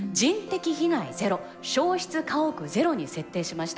「焼失家屋ゼロ」に設定しました。